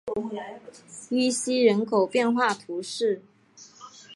于西人口变化图示